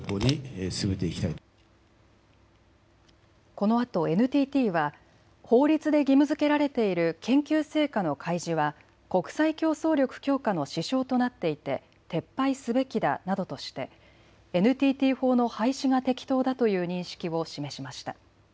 このあとＮＴＴは法律で義務づけられている研究成果の開示は国際競争力強化の支障となっていて撤廃すべきだなどとしてＮＴＴ法の廃止が適当だという認識を示しました。